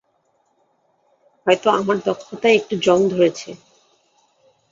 হয়তো আমার দক্ষতায় একটু জং ধরেছে।